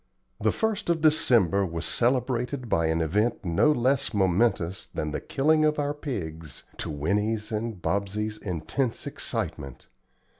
The 1st of December was celebrated by an event no less momentous than the killing of our pigs, to Winnie's and Bobsey's intense excitement.